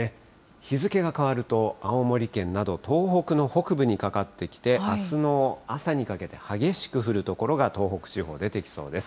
日付が変わると、青森県など東北の北部にかかってきて、あすの朝にかけて、激しく降る所が東北地方、出てきそうです。